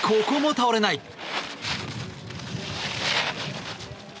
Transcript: ここも倒れない。